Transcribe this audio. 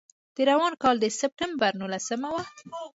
د روان کال د سپټمبر نولسمه وه.